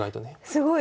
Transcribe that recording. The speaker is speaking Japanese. すごい。